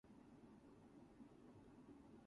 It follows a route closer to the center of Shawnee.